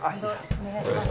お願いします。